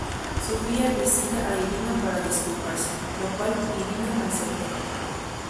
Sophia visita a Irina para disculparse, lo cual Irina acepta.